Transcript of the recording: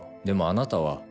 でもあなたは。